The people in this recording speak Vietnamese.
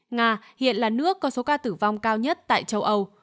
nga hiện là nước có số ca tử vong cao nhất tại châu âu